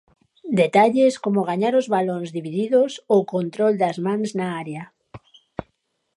Detalles como gañar os balóns divididos ou control das mans na área.